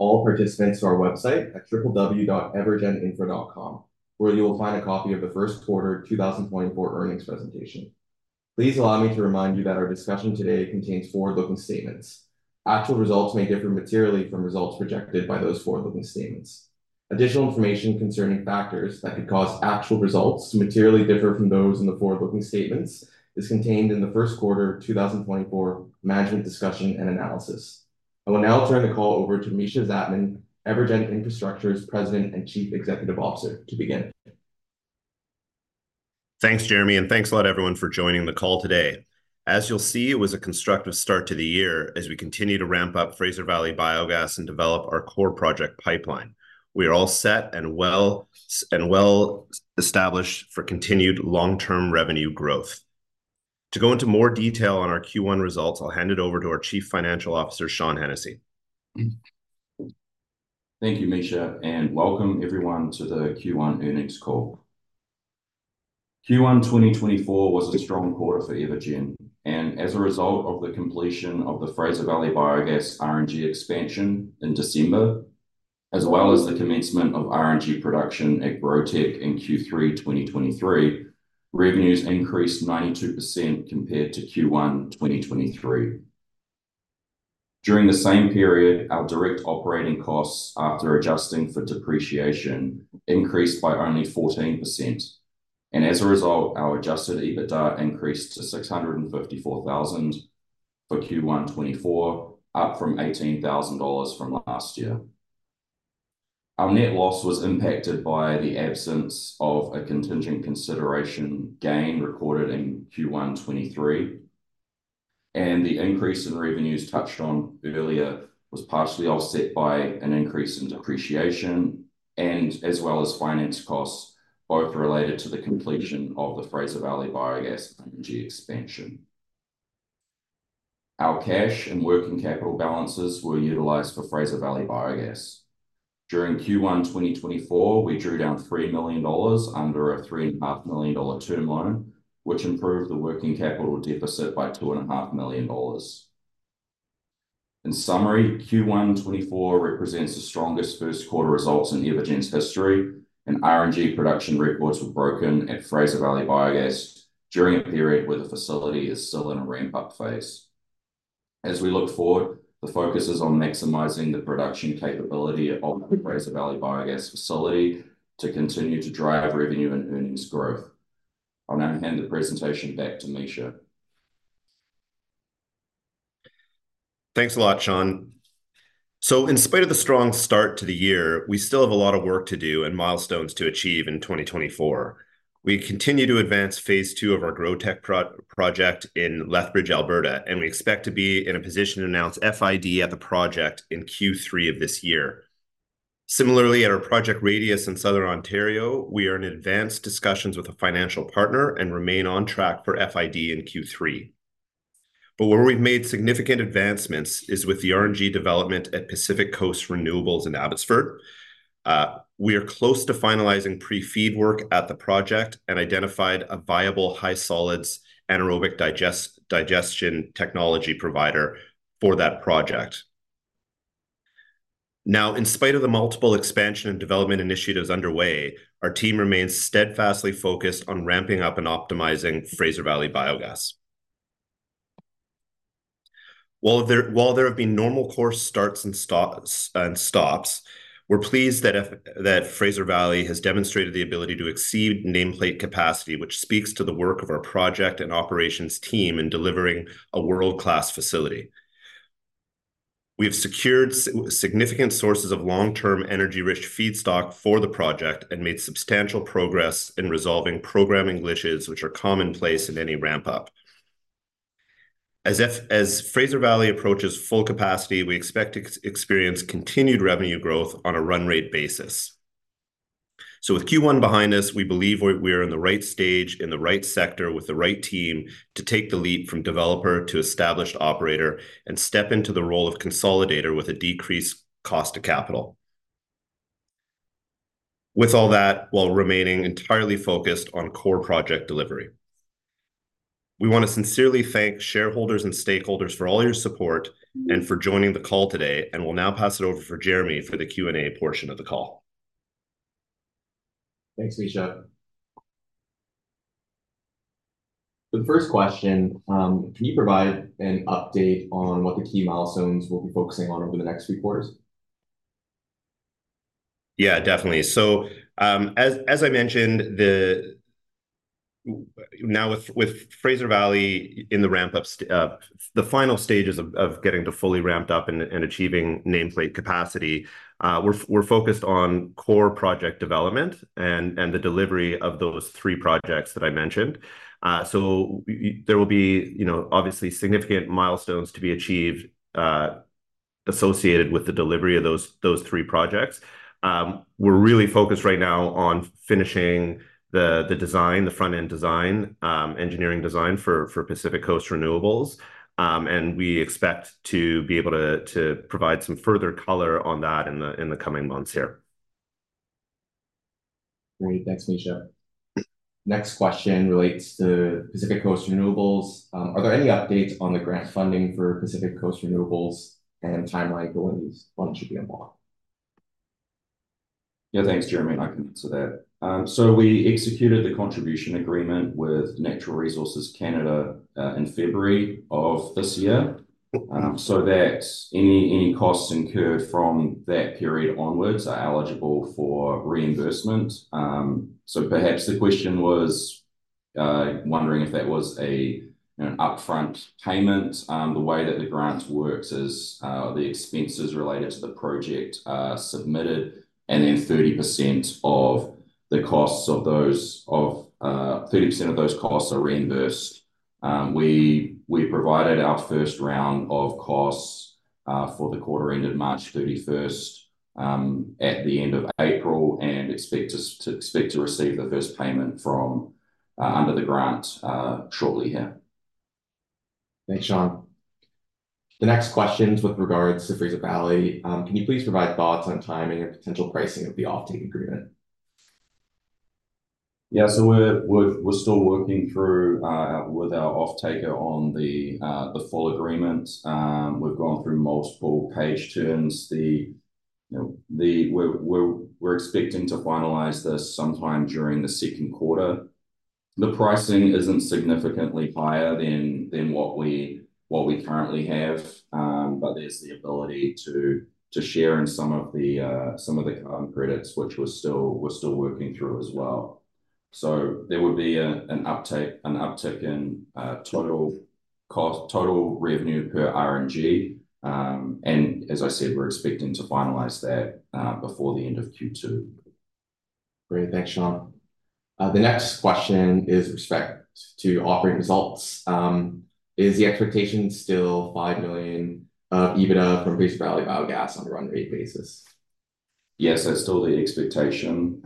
All participants to our website at www.evergeninfra.com, where you will find a copy of the First Quarter 2024 Earnings Presentation. Please allow me to remind you that our discussion today contains forward-looking statements. Actual results may differ materially from results projected by those forward-looking statements. Additional information concerning factors that could cause actual results to materially differ from those in the forward-looking statements is contained in the First Quarter 2024 Management Discussion and Analysis. I will now turn the call over to Mischa Zajtmann, EverGen Infrastructure's President and Chief Executive Officer, to begin. Thanks, Jeremy, and thanks a lot everyone for joining the call today. As you'll see, it was a constructive start to the year as we continue to ramp up Fraser Valley Biogas and develop our core project pipeline. We are all set and well set and well established for continued long-term revenue growth. To go into more detail on our Q1 results, I'll hand it over to our Chief Financial Officer, Sean Hennessy. Thank you, Mischa, and welcome everyone to the Q1 earnings call. Q1 2024 was a strong quarter for EverGen, and as a result of the completion of the Fraser Valley Biogas RNG expansion in December, as well as the commencement of RNG production at GrowTEC in Q3 2023, revenues increased 92% compared to Q1 2023. During the same period, our direct operating costs, after adjusting for depreciation, increased by only 14%, and as a result, our Adjusted EBITDA increased to 654,000 for Q1 2024, up from 18,000 dollars from last year. Our net loss was impacted by the absence of a contingent consideration gain recorded in Q1 2023, and the increase in revenues touched on earlier was partially offset by an increase in depreciation and as well as finance costs, both related to the completion of the Fraser Valley Biogas RNG expansion. Our cash and working capital balances were utilized for Fraser Valley Biogas. During Q1 2024, we drew down 3 million dollars under a 3.5 million dollar term loan, which improved the working capital deficit by 2.5 million dollars. In summary, Q1 2024 represents the strongest first quarter results in EverGen's history, and RNG production records were broken at Fraser Valley Biogas during a period where the facility is still in a ramp-up phase. As we look forward, the focus is on maximizing the production capability of the Fraser Valley Biogas facility to continue to drive revenue and earnings growth. I'll now hand the presentation back to Mischa. Thanks a lot, Sean. So in spite of the strong start to the year, we still have a lot of work to do and milestones to achieve in 2024. We continue to advance phase II of our GrowTEC project in Lethbridge, Alberta, and we expect to be in a position to announce FID at the project in Q3 of this year. Similarly, at our Project Radius in Southern Ontario, we are in advanced discussions with a financial partner and remain on track for FID in Q3. But where we've made significant advancements is with the RNG development at Pacific Coast Renewables in Abbotsford. We are close to finalizing pre-FEED work at the project and identified a viable high-solids anaerobic digestion technology provider for that project. Now, in spite of the multiple expansion and development initiatives underway, our team remains steadfastly focused on ramping up and optimizing Fraser Valley Biogas. While there have been normal course starts and stops, we're pleased that Fraser Valley has demonstrated the ability to exceed nameplate capacity, which speaks to the work of our project and operations team in delivering a world-class facility. We have secured significant sources of long-term, energy-rich feedstock for the project and made substantial progress in resolving programming glitches, which are commonplace in any ramp-up. As Fraser Valley approaches full capacity, we expect to experience continued revenue growth on a run rate basis. So with Q1 behind us, we believe we're in the right stage, in the right sector, with the right team to take the leap from developer to established operator and step into the role of consolidator with a decreased cost of capital. With all that, while remaining entirely focused on core project delivery. We wanna sincerely thank shareholders and stakeholders for all your support and for joining the call today, and we'll now pass it over for Jeremy for the Q&A portion of the call. Thanks, Mischa. The first question: Can you provide an update on what the key milestones we'll be focusing on over the next three quarters? Yeah, definitely. So, as I mentioned, now with Fraser Valley in the ramp-up stages, the final stages of getting to fully ramped up and achieving nameplate capacity, we're focused on core project development and the delivery of those three projects that I mentioned. So there will be, you know, obviously, significant milestones to be achieved associated with the delivery of those three projects. We're really focused right now on finishing the design, the front-end design, engineering design for Pacific Coast Renewables. And we expect to be able to provide some further color on that in the coming months here.... Great. Thanks, Mischa. Next question relates to Pacific Coast Renewables. Are there any updates on the grant funding for Pacific Coast Renewables and timeline for when these funds should be involved? Yeah, thanks, Jeremy. I can answer that. So we executed the contribution agreement with Natural Resources Canada in February of this year. So that any costs incurred from that period onwards are eligible for reimbursement. So perhaps the question was wondering if that was, you know, an upfront payment. The way that the grant works is the expenses related to the project are submitted, and then 30% of those costs are reimbursed. We provided our first round of costs for the quarter ended March 31st at the end of April, and expect to receive the first payment under the grant shortly here. Thanks, Sean. The next question is with regards to Fraser Valley. Can you please provide thoughts on timing and potential pricing of the offtake agreement? Yeah. So we're still working through with our offtaker on the full agreement. We've gone through multiple page turns. You know, we're expecting to finalize this sometime during the second quarter. The pricing isn't significantly higher than what we currently have, but there's the ability to share in some of the credits, which we're still working through as well. So there would be an uptick in total cost, total revenue per RNG. And as I said, we're expecting to finalize that before the end of Q2. Great. Thanks, Sean. The next question is with respect to operating results. Is the expectation still 5 million EBITDA from Fraser Valley Biogas on a run rate basis? Yes, that's still the expectation.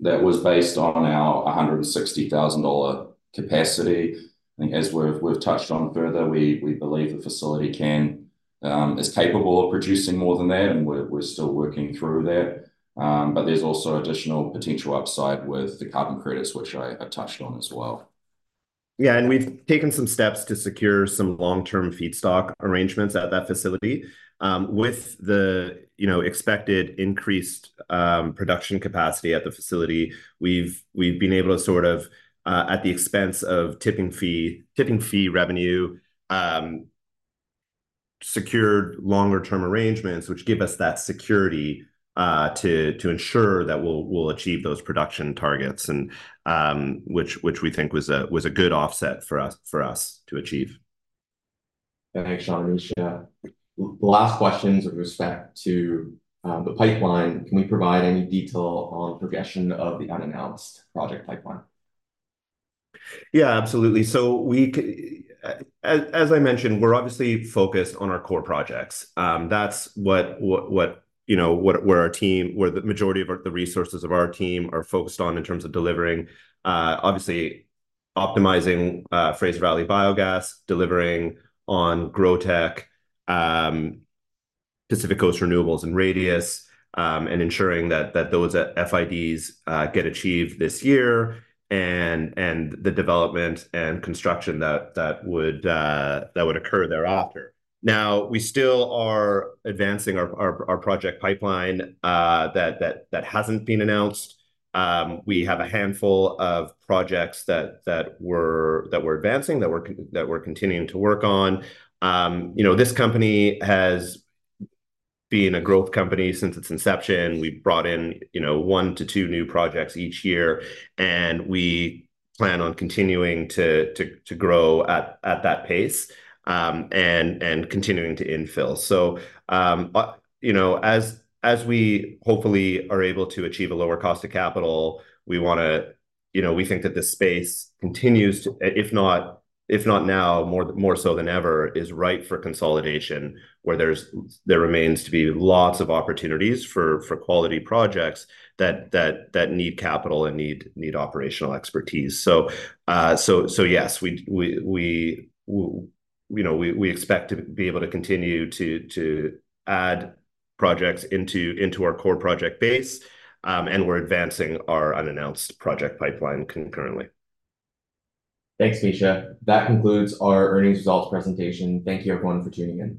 That was based on our 160,000 dollar capacity. I think as we've touched on further, we believe the facility is capable of producing more than that, and we're still working through that. But there's also additional potential upside with the carbon credits, which I touched on as well. Yeah, and we've taken some steps to secure some long-term feedstock arrangements at that facility. With the, you know, expected increased production capacity at the facility, we've been able to sort of, at the expense of tipping fee revenue, secured longer term arrangements, which give us that security, to ensure that we'll achieve those production targets and, which we think was a good offset for us to achieve. Thanks, Sean and Mischa. The last question is with respect to the pipeline. Can we provide any detail on progression of the unannounced project pipeline? Yeah, absolutely. So, as I mentioned, we're obviously focused on our core projects. That's what you know, where our team, where the majority of our, the resources of our team are focused on in terms of delivering, obviously optimizing, Fraser Valley Biogas, delivering on GrowTEC, Pacific Coast Renewables and Radius, and ensuring that those FIDs get achieved this year, and the development and construction that would occur thereafter. Now, we still are advancing our project pipeline that hasn't been announced. We have a handful of projects that we're advancing, that we're continuing to work on. You know, this company has been a growth company since its inception. We've brought in, you know, one-two new projects each year, and we plan on continuing to grow at that pace, and continuing to infill. So, but, you know, as we hopefully are able to achieve a lower cost of capital, we wanna... You know, we think that the space continues to, if not now, more so than ever, is right for consolidation, where there remains to be lots of opportunities for quality projects that need capital and need operational expertise. So, so yes, you know, we expect to be able to continue to add projects into our core project base, and we're advancing our unannounced project pipeline concurrently. Thanks, Mischa. That concludes our earnings results presentation. Thank you, everyone, for tuning in.